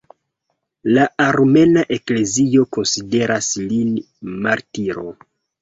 La Armena Eklezio konsideras lin martiro.